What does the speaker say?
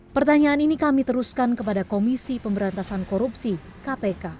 pertanyaan ini kami teruskan kepada komisi pemberantasan korupsi kpk